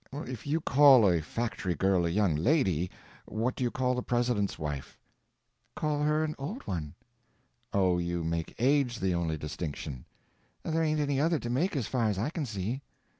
"If you call a factory girl a young lady, what do you call the President's wife?" "Call her an old one." "Oh, you make age the only distinction?" "There ain't any other to make as far as I can see."